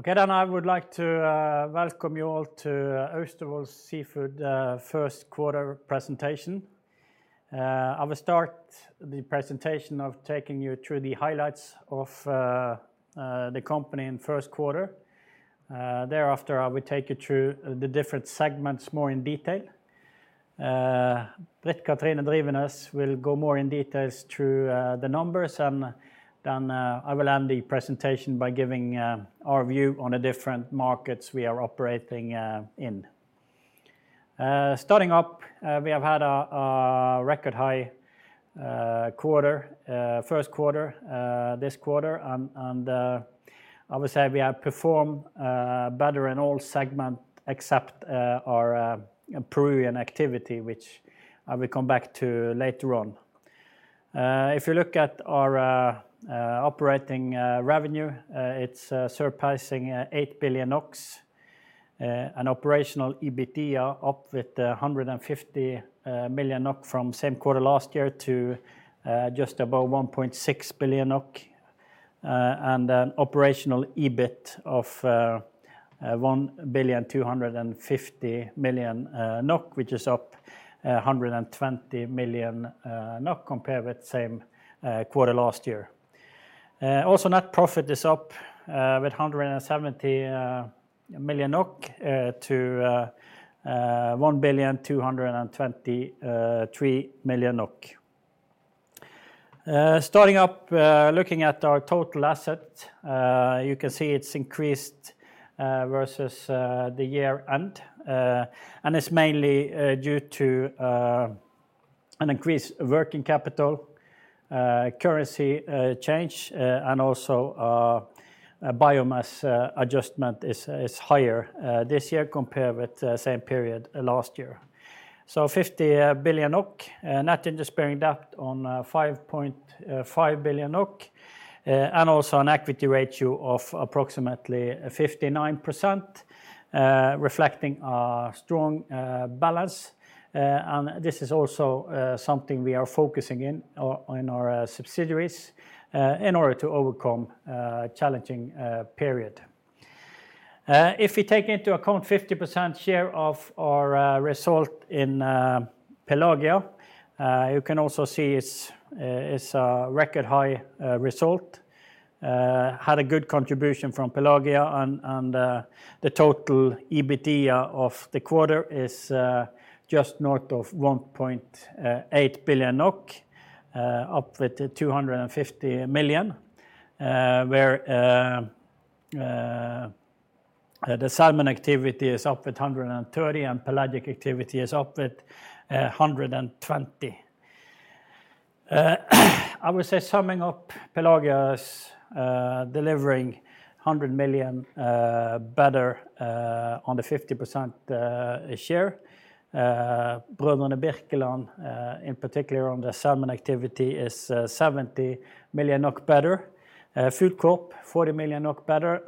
Okay, then I would like to welcome you all to Austevoll Seafood first quarter presentation. I will start the presentation of taking you through the highlights of the company in first quarter. Thereafter, I will take you through the different segments more in detail. Britt Kathrine Drivenes will go more in details through the numbers, and then I will end the presentation by giving our view on the different markets we are operating in. Starting up, we have had a record high quarter, first quarter, this quarter. I would say we have performed better in all segment except our Peruvian activity, which I will come back to later on. If you look at our operating revenue, it's surpassing 8 billion NOK. An operational EBITDA up with 150 million NOK from same quarter last year to just about 1.6 billion NOK. And an operational EBIT of 1.25 billion, which is up 120 million NOK compared with same quarter last year. Also net profit is up with 170 million NOK to 1.223 billion. Starting up, looking at our total asset, you can see it's increased versus the year end. an increased working capital, currency change, and also a biomass adjustment is higher this year compared with the same period last year. So 50 billion NOK net interest-bearing debt on 5.5 billion NOK, and also an equity ratio of approximately 59%, reflecting our strong balance. This is also something we are focusing on our subsidiaries in order to overcome a challenging period. If we take into account 50% share of our result in Pelagia, you can also see it's a record high result. Had a good contribution from Pelagia and the total EBITDA of the quarter is just north of 1.8 billion NOK, up with 250 million. The salmon activity is up with 130 million and pelagic activity is up with 120 million. I would say summing up Pelagia's delivering 100 million better on the 50% share. Br. Birkeland in particular on the salmon activity is 70 million NOK better. Foodcorp, 40 million NOK better.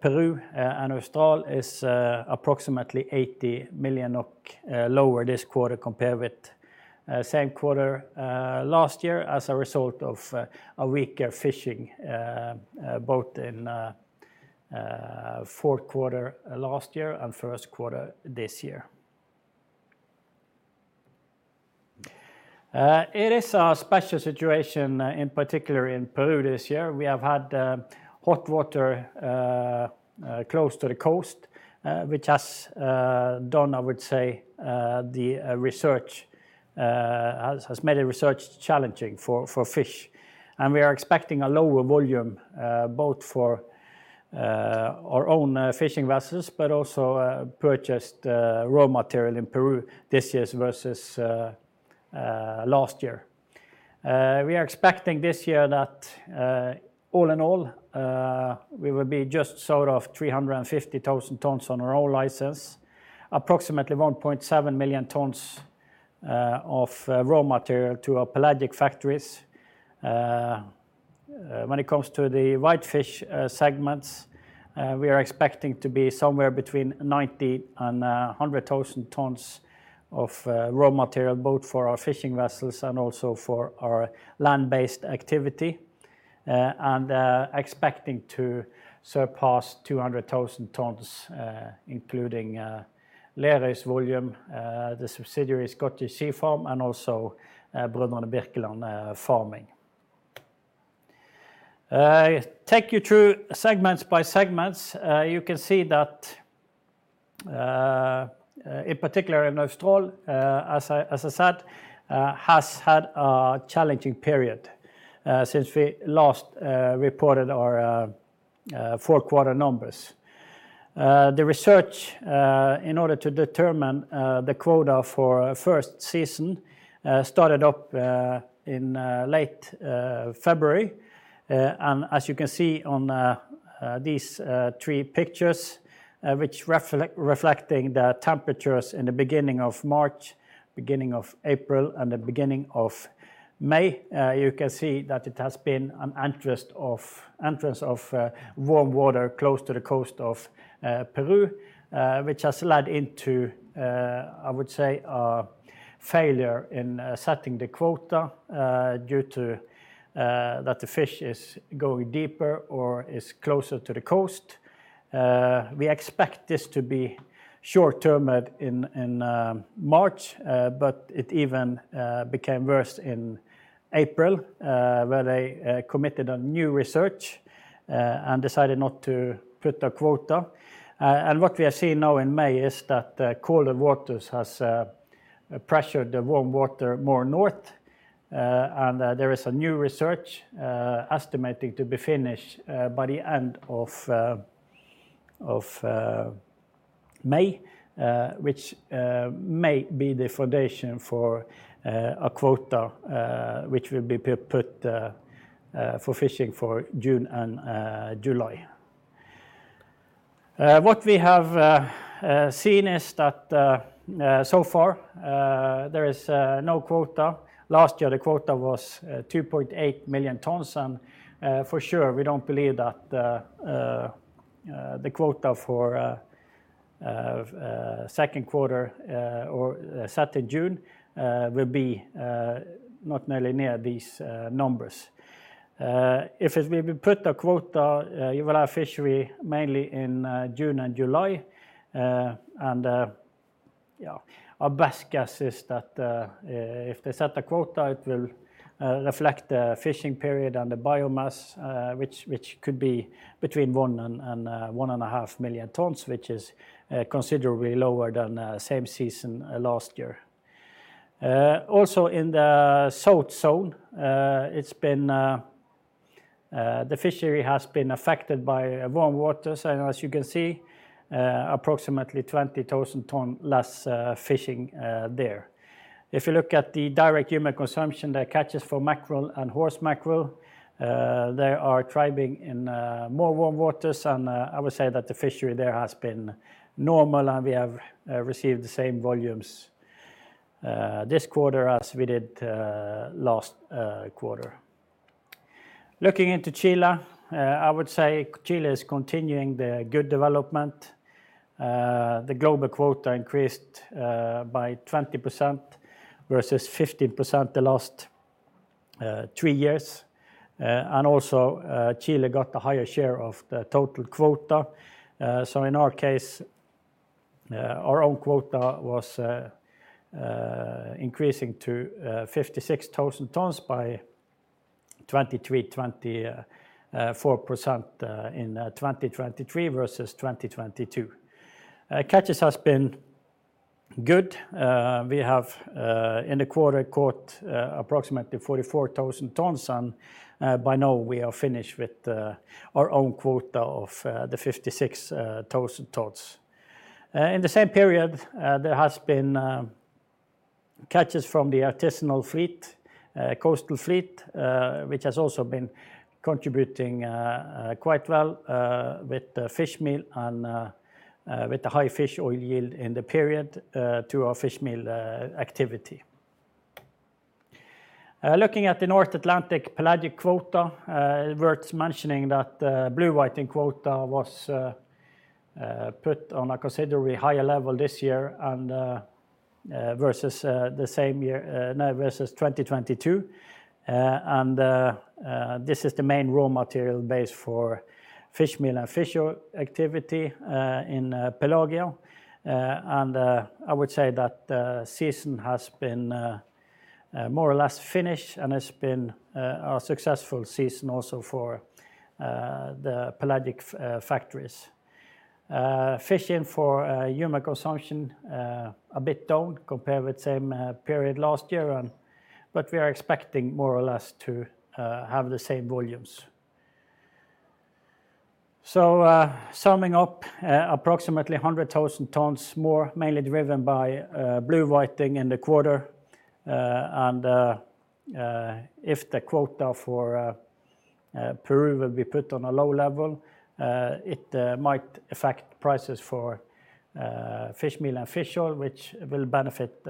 Peru and Austral is approximately 80 million NOK lower this quarter compared with same quarter last year as a result of a weaker fishing both in fourth quarter last year and first quarter this year. It is a special situation in particular in Peru this year. We have had hot water close to the coast, which has done, I would say, the research has made the research challenging for fish. We are expecting a lower volume both for our own fishing vessels but also purchased raw material in Peru this year versus last year. We are expecting this year that all in all, we will be just sort of 350,000 tons on our own license, approximately 1.7 million tons of raw material to our pelagic factories. When it comes to the whitefish segments, we are expecting to be somewhere between 90,000 and 100,000 tons of raw material, both for our fishing vessels and also for our land-based activity. Expecting to surpass 200,000 tons, including Lerøy's volume, the subsidiary Scottish Sea Farms, and also Br. Birkeland farming. Take you through segments by segments. You can see that in particular in Austral, as I said, has had a challenging period since we last reported our fourth quarter numbers. The research in order to determine the quota for first season started up in late February. As you can see on these three pictures, which reflecting the temperatures in the beginning of March, beginning of April, and the beginning of May, you can see that it has been an entrance of warm water close to the coast of Peru, which has led into I would say a failure in setting the quota due to that the fish is going deeper or is closer to the coast. We expect this to be short term in March, it even became worse in April, where they committed a new research and decided not to put a quota. What we are seeing now in May is that the colder waters has pressured the warm water more north, and there is a new research estimating to be finished by the end of May, which may be the foundation for a quota which will be put for fishing for June and July. What we have seen is that so far there is no quota. Last year the quota was 2.8 million tons and for sure we don't believe that the quota for second quarter, or set in June, will be not nearly near these numbers. If it will be put a quota, you will have fishery mainly in June and July. Our best guess is that if they set a quota it will reflect the fishing period and the biomass, which could be between 1 and 1.5 million tons which is considerably lower than same season last year. Also in the south zone, the fishery has been affected by warm waters and as you can see, approximately 20,000 tons less fishing there. If you look at the direct human consumption, the catches for mackerel and horse mackerel, they are thriving in more warm waters and I would say that the fishery there has been normal and we have received the same volumes this quarter as we did last quarter. Looking into Chile, I would say Chile is continuing the good development. The global quota increased by 20% versus 15% the last three years. Chile got the higher share of the total quota. In our case, our own quota was increasing to 56,000 tons by 24% in 2023 versus 2022. Catches has been good. We have in the quarter caught approximately 44,000 tons and by now we are finished with our own quota of the 56,000 tons. In the same period, there has been catches from the artisanal fleet, coastal fleet, which has also been contributing quite well with the fish meal and with the high fish oil yield in the period to our fish meal activity. Looking at the North Atlantic pelagic quota, it's worth mentioning that the blue whiting quota was put on a considerably higher level this year versus 2022. This is the main raw material base for fish meal and fish oil activity in Pelagia. I would say that the season has been more or less finished and it's been a successful season also for the pelagic factories. Fishing for human consumption, a bit down compared with same period last year. We are expecting more or less to have the same volumes. Summing up, approximately 100,000 tons more, mainly driven by blue whiting in the quarter. If the quota for Peru will be put on a low level, it might affect prices for Fish Meal and Fish Oil which will benefit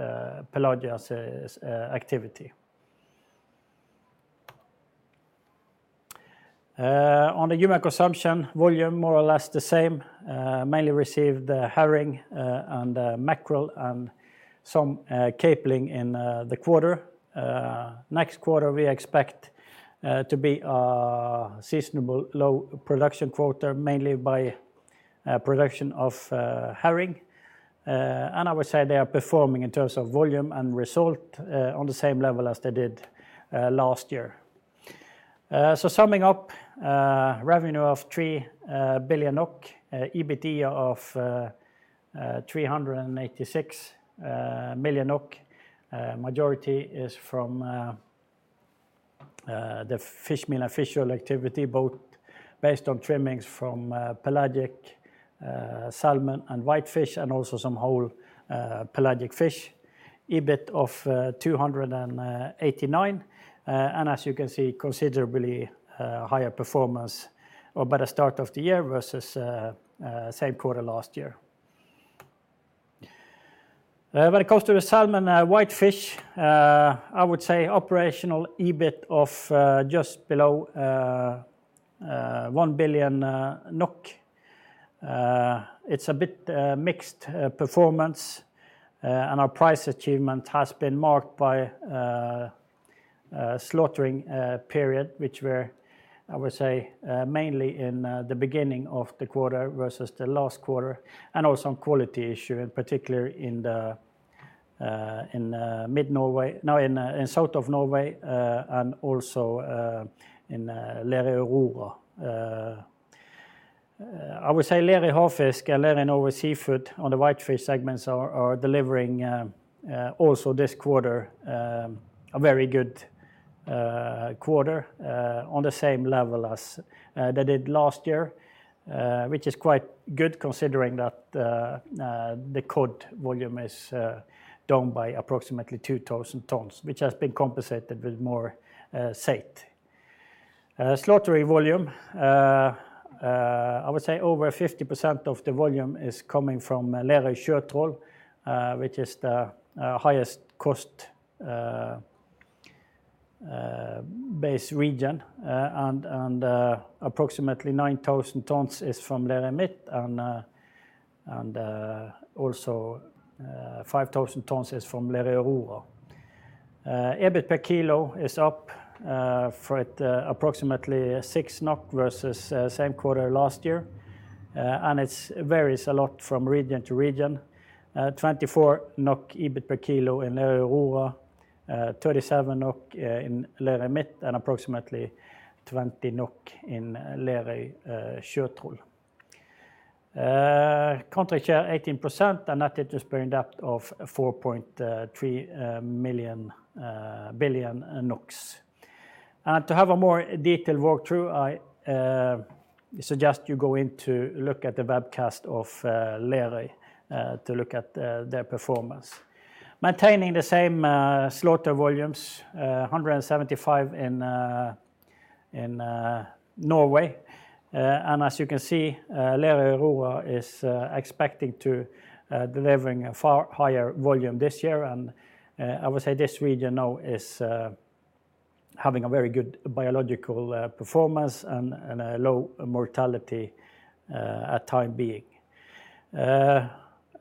Pelagia's activity. On the human consumption volume more or less the same, mainly received the Herring and the Mackerel and some Capelin in the quarter. Next quarter we expect to be a seasonable low production quota, mainly by production of Herring. I would say they are performing in terms of volume and result on the same level as they did last year. Summing up, revenue of 3 billion NOK, EBIT of 386 million NOK. Majority is from the fish meal and fish oil activity, both based on trimmings from pelagic salmon and whitefish and also some whole pelagic fish. EBIT of 289, and as you can see considerably higher performance or better start of the year versus same quarter last year. When it comes to the salmon, whitefish, I would say operational EBIT of just below 1 billion NOK. It's a bit mixed performance, and our price achievement has been marked by slaughtering period, which were, I would say, mainly in the beginning of the quarter versus the last quarter, and also on quality issue, in particular in Mid Norway. No, in south of Norway, and also in Lerøy Aurora. I would say Lerøy Havfisk and Lerøy Norway Seafoods on the whitefish segments are delivering also this quarter, a very good quarter, on the same level as they did last year, which is quite good considering that the cod volume is down by approximately 2,000 tons, which has been compensated with more saithe. Slaughtering volume, I would say over 50% of the volume is coming from Lerøy Sjøtroll, which is the highest cost base region. Approximately 9,000 tons is from Lerøy Midt, and also 5,000 tons is from Lerøy Aurora. EBIT per kilo is up for approximately 6 NOK versus same quarter last year. It varies a lot from region to region. 24 NOK EBIT per kilo in Lerøy Aurora, 37 NOK in Lerøy Midt, and approximately 20 NOK in Lerøy Sjøtroll. Contract share 18%, and net interest-bearing debt of 4.3 billion NOK. To have a more detailed walkthrough, I suggest you go in to look at the webcast of Lerøy to look at their performance. Maintaining the same slaughter volumes, 175 in Norway. As you can see, Lerøy Aurora is expecting to deliver a far higher volume this year. I would say this region now is having a very good biological performance and a low mortality at time being.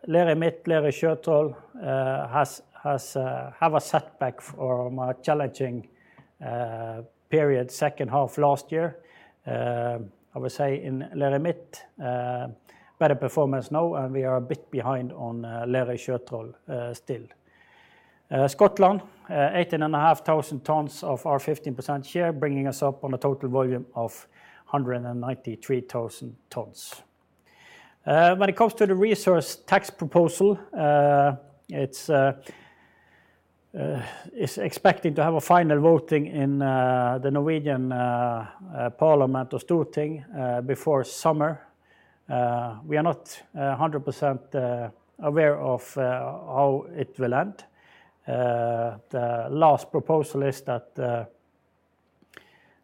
Lerøy Midt, Lerøy Sjøtroll has have a setback from a challenging period second half last year. I would say in Lerøy Midt, better performance now, and we are a bit behind on Lerøy Sjøtroll still. Scotland, 18 and a half thousand tons of our 15% share, bringing us up on a total volume of 193,000 tons. When it comes to the resource tax proposal, it's expecting to have a final voting in the Norwegian parliament or Storting before summer. We are not 100% aware of how it will end. The last proposal is that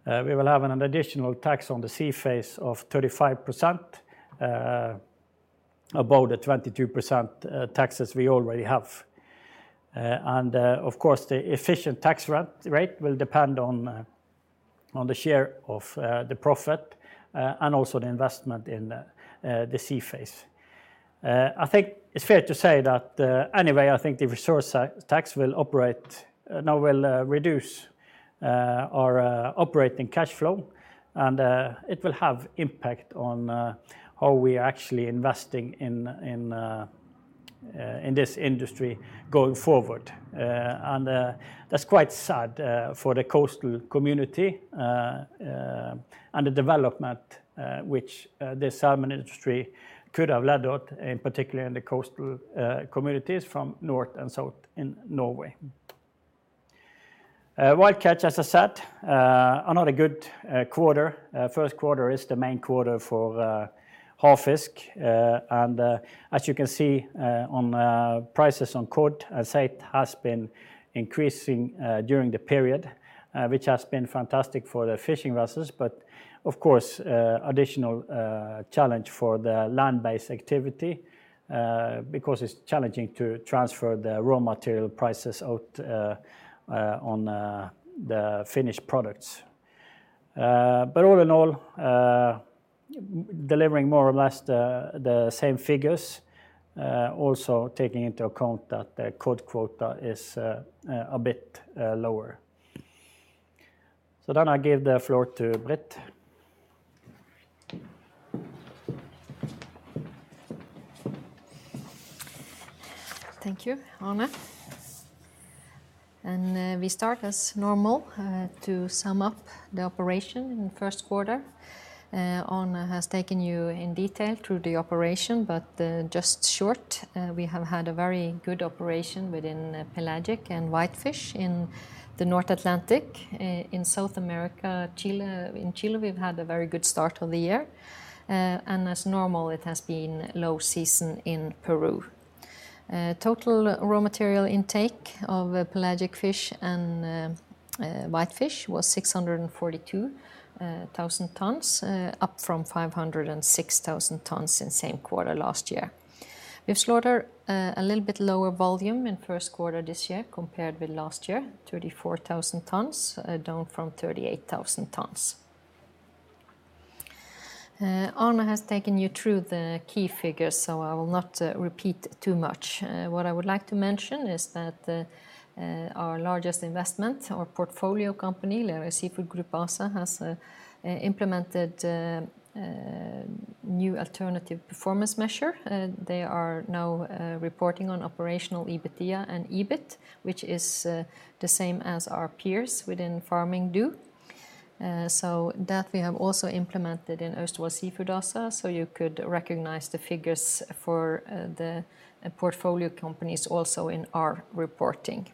we will have an additional tax on the sea phase of 35% above the 22% taxes we already have. Of course, the efficient tax rate will depend on the share of the profit and also the investment in the sea phase. I think it's fair to say that anyway, I think the resource tax will operate now will reduce our operating cash flow. It will have impact on how we are actually investing in this industry going forward. That's quite sad for the coastal community and the development which the salmon industry could have led out, in particular in the coastal communities from north and south in Norway. Wild catch, as I said, another good quarter. First quarter is the main quarter for Havfisk. As you can see on prices on cod and saithe has been increasing during the period which has been fantastic for the fishing vessels. Of course, additional challenge for the land-based activity because it's challenging to transfer the raw material prices out on the finished products. All in all, delivering more or less the same figures, also taking into account that the cod quota is a bit lower. I give the floor to Britt. Thank you, Arne. We start as normal to sum up the operation in first quarter. Arne has taken you in detail through the operation, just short, we have had a very good operation within pelagic and whitefish in the North Atlantic. In South America, in Chile, we've had a very good start of the year. As normal, it has been low season in Peru. Total raw material intake of pelagic fish and whitefish was 642,000 tons, up from 506,000 tons in same quarter last year. We have slaughter a little bit lower volume in first quarter this year compared with last year, 34,000 tons, down from 38,000 tons. Arne has taken you through the key figures, I will not repeat too much. What I would like to mention is that the our largest investment, our portfolio company, Lerøy Seafood Group ASA, has implemented a new alternative performance measure. They are now reporting on operational EBITDA and EBIT, which is the same as our peers within farming do. That we have also implemented in Austevoll Seafood ASA, so you could recognize the figures for the portfolio companies also in our reporting.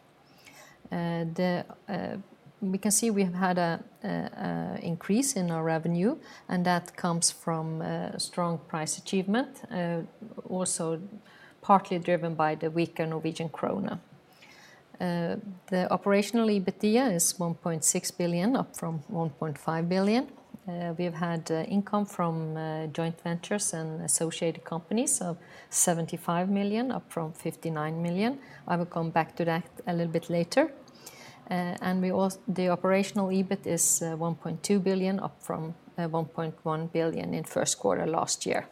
We can see we have had an increase in our revenue. That comes from a strong price achievement, also partly driven by the weaker Norwegian krone. The operational EBITDA is 1.6 billion, up from 1.5 billion. We have had income from joint ventures and associated companies of 75 million, up from 59 million. I will come back to that a little bit later. The operational EBIT is 1.2 billion, up from 1.1 billion in first quarter last year.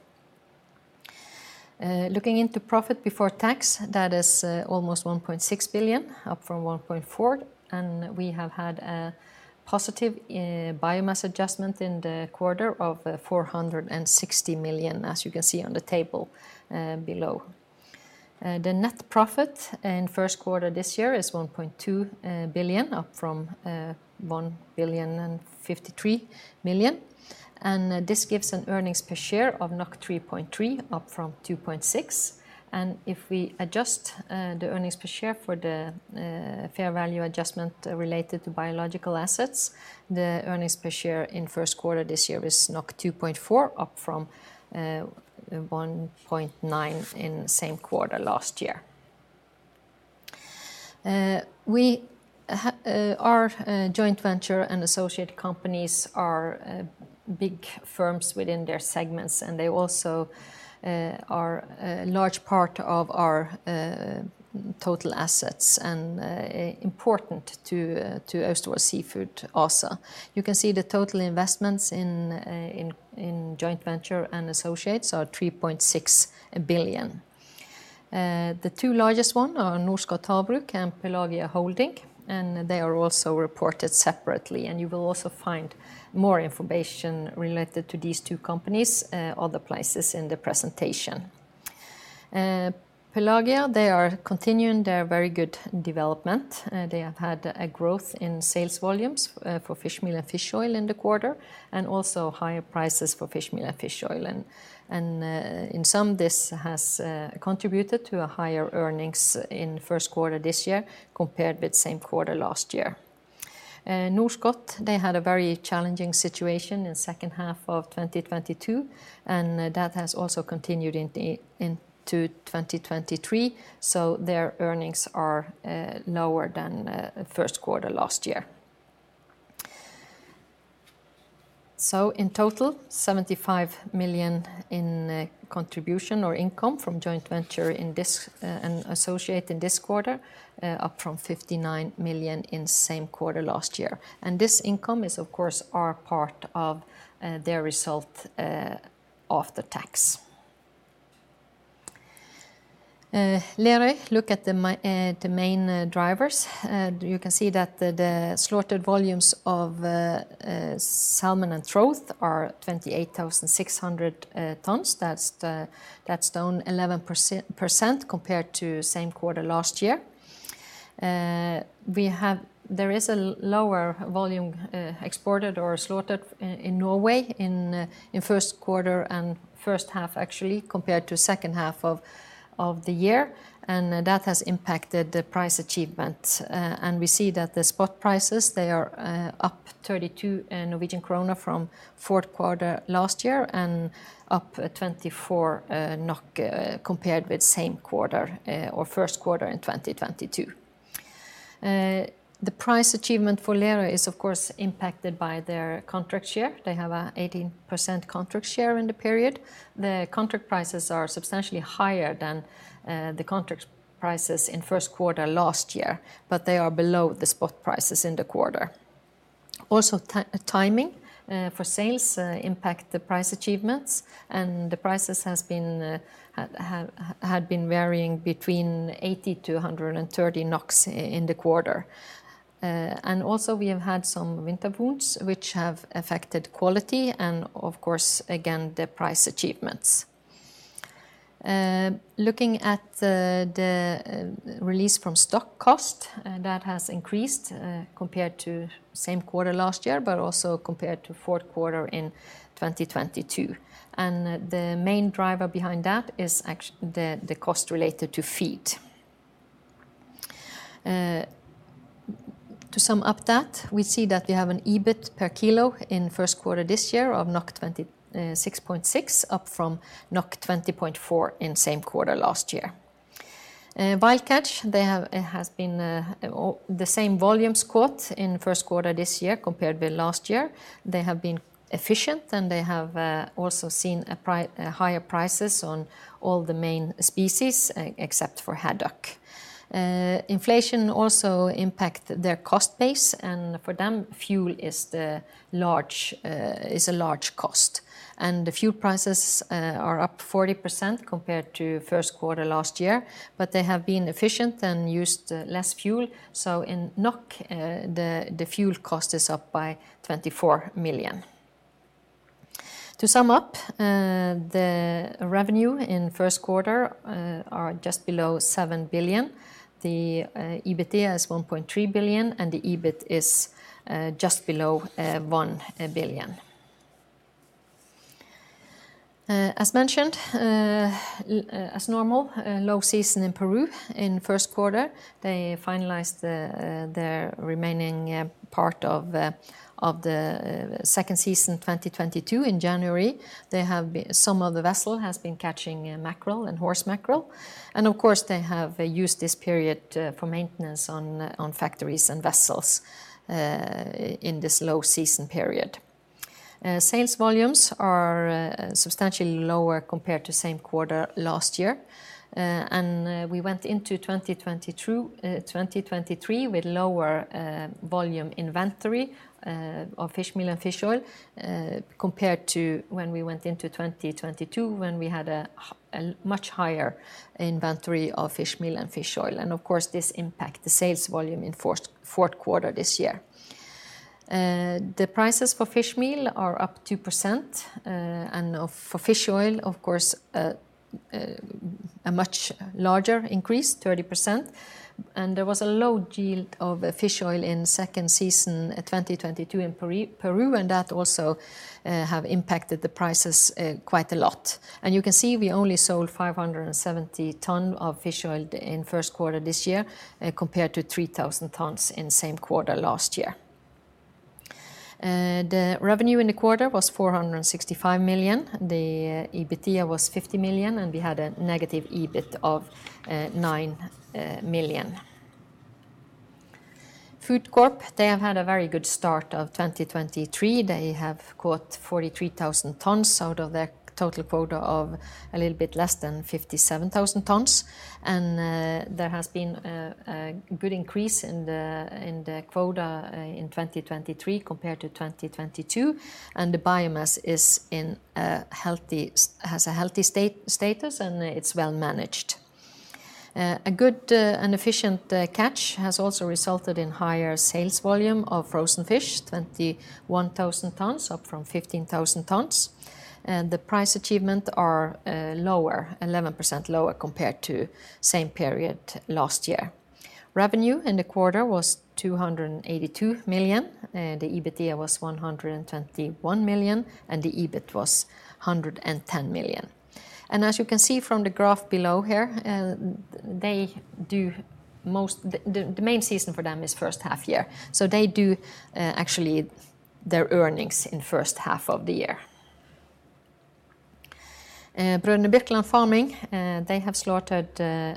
Looking into profit before tax, that is almost 1.6 billion, up from 1.4 billion. We have had a positive biomass adjustment in the quarter of 460 million, as you can see on the table below. The net profit in first quarter this year is 1.2 billion, up from 1.053 billion. This gives an earnings per share of 3.3, up from 2.6. If we adjust the earnings per share for the fair value adjustment related to biological assets, the earnings per share in first quarter this year is 2.4, up from 1.9 in same quarter last year. Our joint venture and associated companies are big firms within their segments, and they also are a large part of our total assets and important to Austevoll Seafood ASA. You can see the total investments in joint venture and associates are 3.6 billion. The two largest one are Norskott Havbruk and Pelagia Holding, and they are also reported separately, and you will also find more information related to these two companies, other places in the presentation. Pelagia, they are continuing their very good development. They have had a growth in sales volumes, for fish meal and fish oil in the quarter, and also higher prices for fish meal and fish oil. In sum, this has contributed to a higher earnings in first quarter this year compared with same quarter last year. Norsk, they had a very challenging situation in second half of 2022, and that has also continued into 2023, so their earnings are lower than first quarter last year. In total, 75 million in contribution or income from joint venture in this and associate in this quarter, up from 59 million in same quarter last year. This income is of course our part of their result of the tax. Lerøy, look at the main drivers. You can see that the slaughtered volumes of salmon and trout are 28,600 tons. That's down 11% compared to same quarter last year. There is a lower volume exported or slaughtered in Norway in first quarter and first half actually, compared to second half of the year, and that has impacted the price achievement. We see that the spot prices, they are up 32 Norwegian krone from fourth quarter last year, and up 24 NOK compared with same quarter, or first quarter in 2022. The price achievement for Lerøy is of course impacted by their contract share. They have a 18% contract share in the period. The contract prices are substantially higher than the contract prices in first quarter last year, but they are below the spot prices in the quarter. Timing for sales impact the price achievements, and the prices had been varying between 80 to 130 NOK in the quarter. Also, we have had some winter wounds which have affected quality and of course, again, the price achievements. Looking at the release from stock cost, that has increased compared to same quarter last year, but also compared to fourth quarter in 2022. The main driver behind that is the cost related to feed. To sum up that, we see that we have an EBIT per kilo in first quarter this year of 26.6, up from 20.4 in same quarter last year. Wild Catch, it has been the same volumes caught in first quarter this year compared with last year. They have been efficient, and they have also seen higher prices on all the main species, except for haddock. Inflation also impact their cost base, and for them, fuel is a large cost. The fuel prices are up 40% compared to first quarter last year, but they have been efficient and used less fuel. In NOK, the fuel cost is up by 24 million. To sum up, the revenue in first quarter are just below 7 billion. The EBITDA is 1.3 billion and the EBIT is just below 1 billion. As mentioned, as normal, low season in Peru in first quarter. They finalized their remaining part of the second season 2022 in January. They have some of the vessel has been catching mackerel and horse mackerel. Of course, they have used this period for maintenance on factories and vessels in this low season period. Sales volumes are substantially lower compared to same quarter last year. We went into 2023 with lower volume inventory of fish meal and fish oil compared to when we went into 2022 when we had a much higher inventory of fish meal and fish oil. Of course, this impact the sales volume in fourth quarter this year. The prices for fish meal are up 2%, and for fish oil, of course, a much larger increase, 30%. There was a low yield of fish oil in second season 2022 in Peru, and that also have impacted the prices quite a lot. You can see we only sold 570 tons of fish oil in first quarter this year, compared to 3,000 tons in same quarter last year. The revenue in the quarter was 465 million. The EBITDA was 50 million, and we had a negative EBIT of 9 million. Foodcorp, they have had a very good start of 2023. They have caught 43,000 tons out of their total quota of a little bit less than 57,000 tons. There has been a good increase in the quota in 2023 compared to 2022. The biomass is in a healthy status, and it's well managed. A good and efficient catch has also resulted in higher sales volume of frozen fish, 21,000 tons, up from 15,000 tons. The price achievement are lower, 11% lower compared to same period last year. Revenue in the quarter was 282 million. The EBITDA was 121 million, and the EBIT was 110 million. As you can see from the graph below here, they do most, the main season for them is first half year. They do actually their earnings in first half of the year. Br. Birkeland Farming AS, they have slaughtered a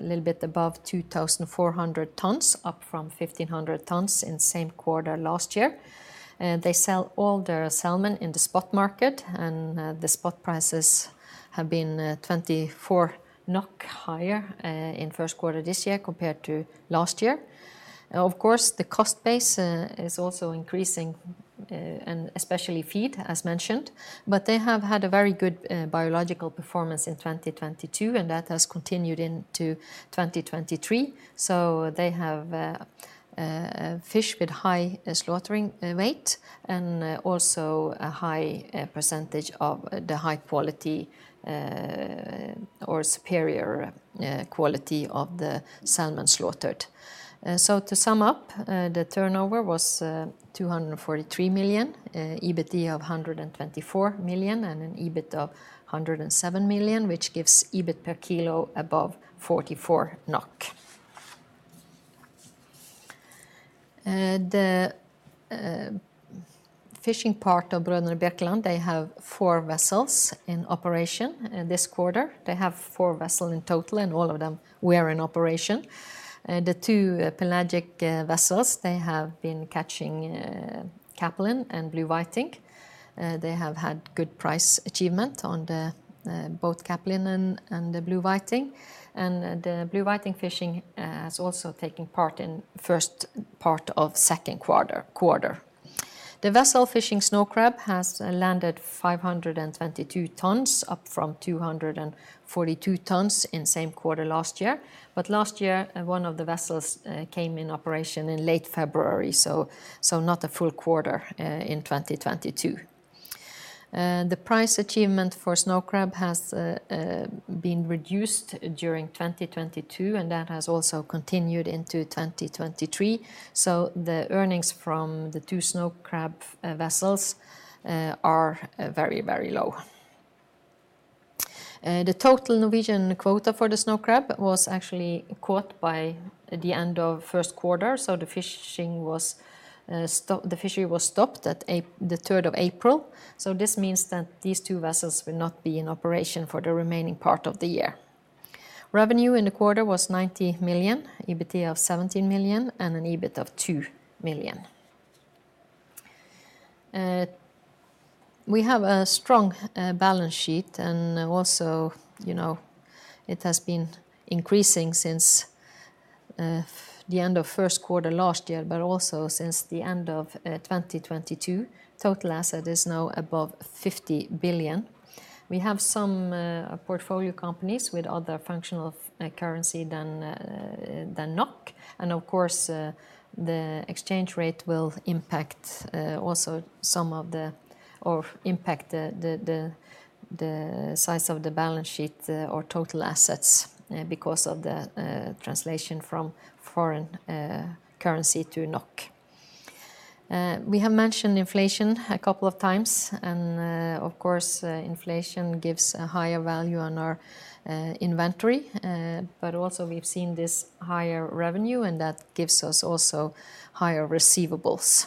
little bit above 2,400 tons, up from 1,500 tons in same quarter last year. They sell all their salmon in the spot market, the spot prices have been 24 NOK higher in first quarter this year compared to last year. Of course, the cost base is also increasing, and especially feed, as mentioned. They have had a very good biological performance in 2022, and that has continued into 2023. They have fish with high slaughtering weight and also a high percentage of the high quality, or Superior, quality of the salmon slaughtered. To sum up, the turnover was 243 million, EBITDA of 124 million, and an EBIT of 107 million, which gives EBIT per kilo above 44 NOK. The fishing part of Brødrene Birkeland, they have 4 vessels in operation this quarter. They have 4 vessel in total, and all of them were in operation. The 2 pelagic vessels, they have been catching capelin and blue whiting. They have had good price achievement on the both capelin and the blue whiting. The blue whiting fishing is also taking part in first part of second quarter. The vessel fishing snow crab has landed 522 tons, up from 242 tons in same quarter last year. Last year, one of the vessels came in operation in late February, so not a full quarter in 2022. The price achievement for snow crab has been reduced during 2022, and that has also continued into 2023. The earnings from the 2 snow crab vessels are very low. The total Norwegian quota for the snow crab was actually caught by the end of first quarter, the fishery was stopped at the third of April. This means that these two vessels will not be in operation for the remaining part of the year. Revenue in the quarter was 90 million, EBITDA of 17 million, and an EBIT of 2 million. We have a strong balance sheet and also, you know, it has been increasing since the end of first quarter last year, but also since the end of 2022. Total asset is now above 50 billion. We have some portfolio companies with other functional of currency than NOK. Of course, the exchange rate will impact also some of the. Impact the size of the balance sheet or total assets, because of the translation from foreign currency to NOK. We have mentioned inflation a couple of times, of course, inflation gives a higher value on our inventory. Also we've seen this higher revenue, and that gives us also higher receivables.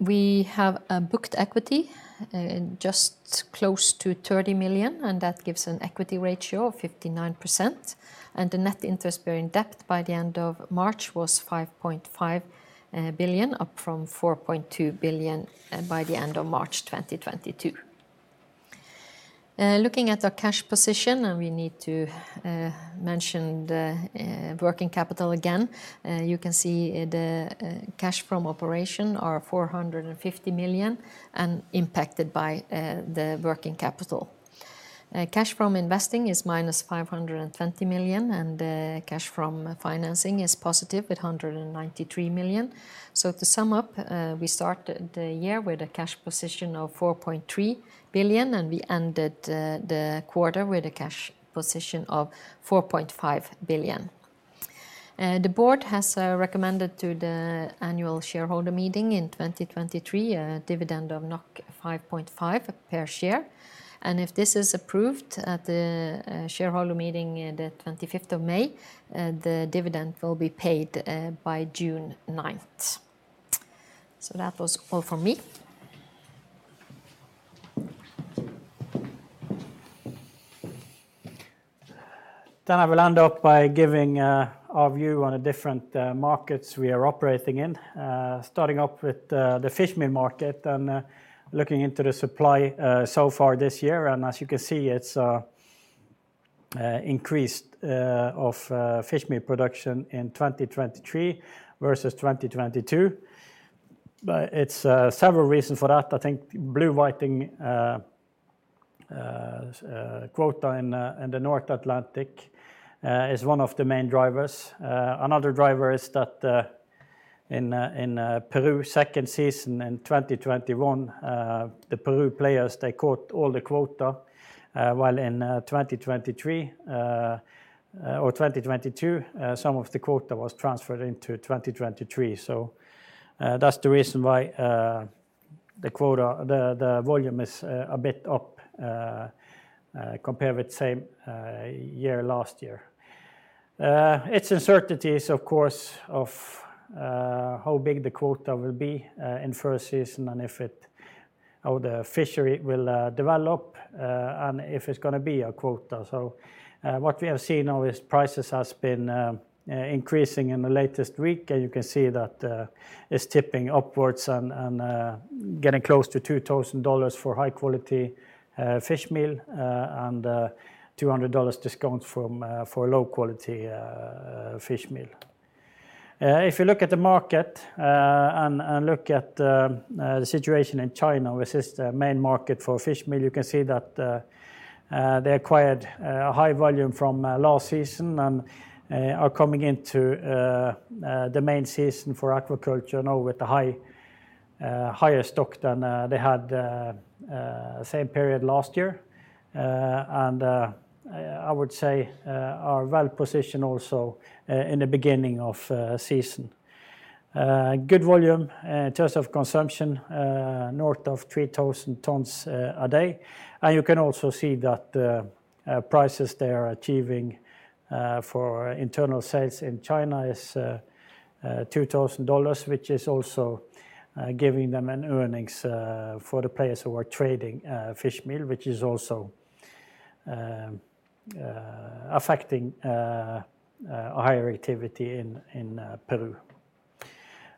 We have a booked equity in just close to 30 million, and that gives an equity ratio of 59%. The net interest-bearing debt by the end of March was 5.5 billion, up from 4.2 billion by the end of March 2022. Looking at our cash position, we need to mention the working capital again. You can see the cash from operation are 450 million and impacted by the working capital. Cash from investing is minus 520 million, and the cash from financing is positive at 193 million. To sum up, we start the year with a cash position of 4.3 billion, and we ended the quarter with a cash position of 4.5 billion. The board has recommended to the annual shareholder meeting in 2023 a dividend of 5.5 per share. If this is approved at the shareholder meeting in the 25th of May, the dividend will be paid by June 9th. That was all for me. I will end up by giving our view on the different markets we are operating in. Starting off with the fish meal market and looking into the supply so far this year. As you can see, it's increased of fish meal production in 2023 versus 2022. It's several reasons for that. I think blue whiting quota in the North Atlantic is one of the main drivers. Another driver is that in Peru second season in 2021, the Peru players, they caught all the quota, while in 2023 or 2022, some of the quota was transferred into 2023. That's the reason why the volume is a bit up compared with same year last year. It's uncertainties, of course, of how big the quota will be in first season and if the fishery will develop, and if it's going to be a quota. What we have seen now is prices have been increasing in the latest week. And you can see that it's tipping upwards and getting close to $2,000 for high quality fish meal, and $200 discount for low quality fish meal. If you look at the market, and look at the situation in China, which is the main market for fish meal, you can see that they acquired high volume from last season and are coming into the main season for aquaculture now with a high, higher stock than they had same period last year. I would say, are well-positioned also in the beginning of season. Good volume in terms of consumption, north of 3,000 tons a day. You can also see that the prices they are achieving for internal sales in China is $2,000, which is also giving them an earnings for the players who are trading fish meal, which is also affecting higher activity in Peru.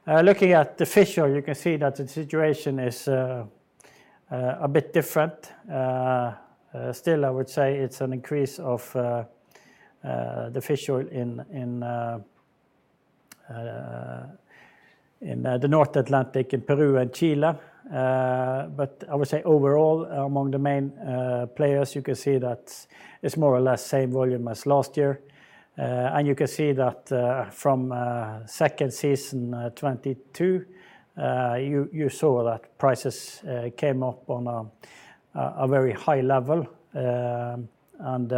Looking at the fish oil, you can see that the situation is a bit different. Still, I would say it's an increase of the fish oil in the North Atlantic, in Peru and Chile. I would say overall, among the main players, you can see that it's more or less same volume as last year. You can see that from second season 2022, you saw that prices came up on a very high level, and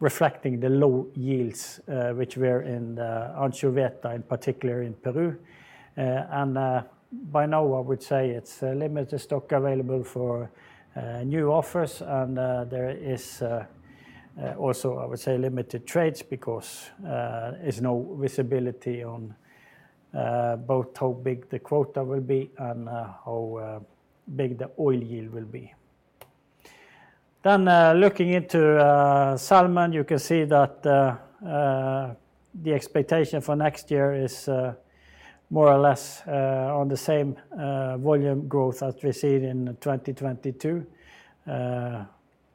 reflecting the low yields, which were in the anchoveta, in particular in Peru. By now, I would say it's limited stock available for new offers. There is also, I would say limited trades because there's no visibility on both how big the quota will be and how big the oil yield will be. Looking into salmon, you can see that the expectation for next year is more or less on the same volume growth as we see in 2022.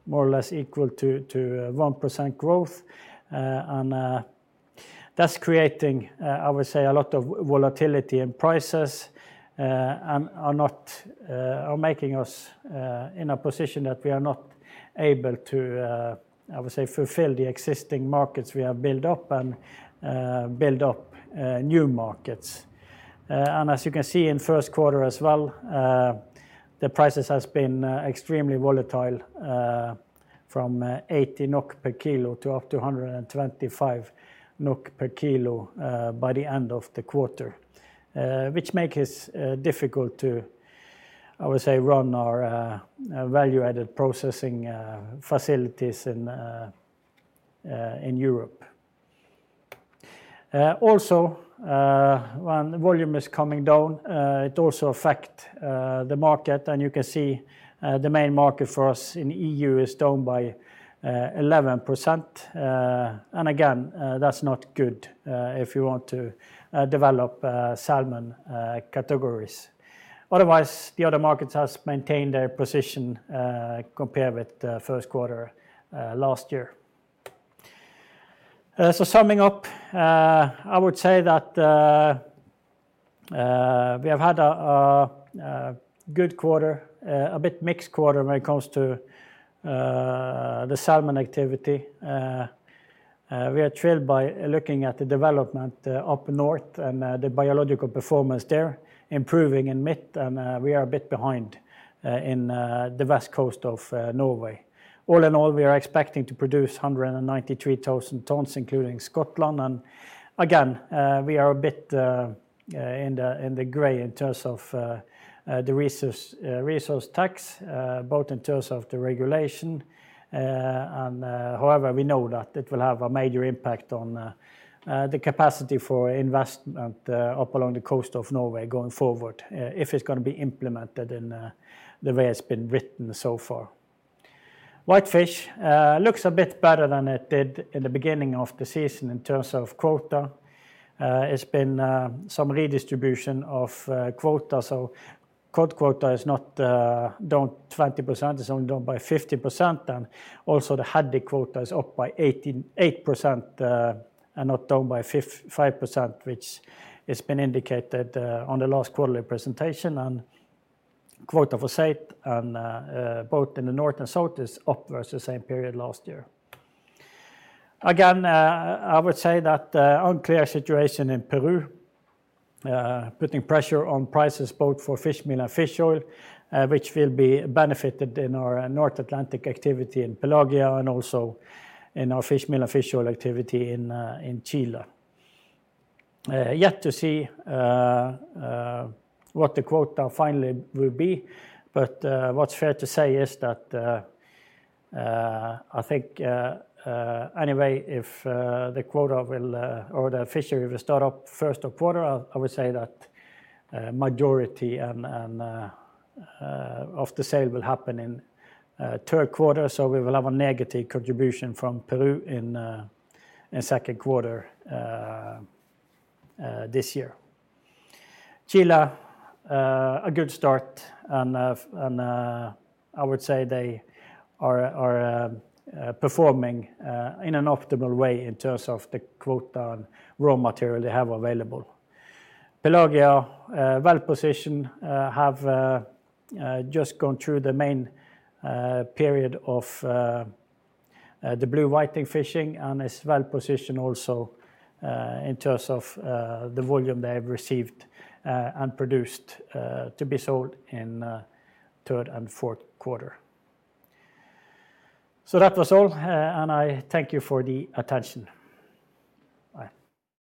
More or less equal to 1% growth. That's creating, I would say a lot of volatility in prices, and are not making us in a position that we are not able to, I would say fulfill the existing markets we have built up and build up new markets. As you can see in first quarter as well, the prices has been extremely volatile, from 80 NOK per kilo to up to 125 NOK per kilo by the end of the quarter. Which makes it difficult to, I would say run our value-added processing facilities in Europe. Also, when volume is coming down, it also affect the market. You can see, the main market for us in EU is down by 11%. Again, that's not good if you want to develop salmon categories. Otherwise, the other markets has maintained their position compared with the first quarter last year. Summing up, I would say that we have had a good quarter, a bit mixed quarter when it comes to the salmon activity. We are thrilled by looking at the development up north and the biological performance there improving in Mid, and we are a bit behind in the west coast of Norway. All in all, we are expecting to produce 193,000 tons, including Scotland. Again, we are a bit in the gray in terms of the Resource Rent Tax, both in terms of the regulation, and, however, we know that it will have a major impact on the capacity for investment up along the coast of Norway going forward, if it's gonna be implemented in the way it's been written so far. Whitefish looks a bit better than it did in the beginning of the season in terms of quota. It's been some redistribution of quota. cod quota is not down 20%, it's only down by 50%. Also the haddock quota is up by 88%, and not down by 5%, which has been indicated on the last quarterly presentation. Quota for saithe and both in the north and south is up versus same period last year. Again, I would say that unclear situation in Peru, putting pressure on prices both for fish meal and fish oil, which will be benefited in our North Atlantic activity in Pelagia and also in our fish meal and fish oil activity in Chile. Yet to see what the quota finally will be, but what's fair to say is that I think anyway, if the quota will or the fishery will start up first quarter, I would say that majority and of the sale will happen in third quarter. So we will have a negative contribution from Peru in second quarter this year. Chile, a good start and I would say they are performing in an optimal way in terms of the quota and raw material they have available. Pelagia, well-positioned, just gone through the main period of the blue whiting fishing and is well-positioned also in terms of the volume they have received and produced to be sold in third and fourth quarter. That was all. I thank you for the attention. Bye.